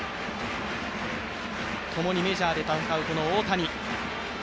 ともにメジャーで戦う大谷。